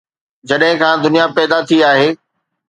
جڏهن کان دنيا پيدا ٿي آهي.